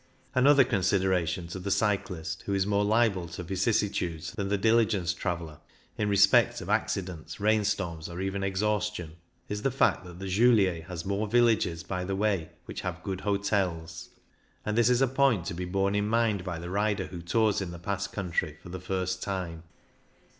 Another consideration to the cyclist, who is more liable to vicissitudes than the diligence traveller, in respect of accidents, rain storms, or even exhaustion, is the fact that the Julier has more villages by the way which have good hotels; and this is a point to be borne in mind by the rider who tours in the Pass country for the first time.